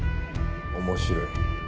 面白い。